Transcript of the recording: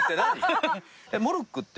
モルックって？